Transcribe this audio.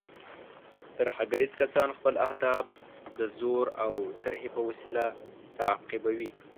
ترهګریز کسان خپل اهداف د زور او ترهې په وسیله تعقیبوي.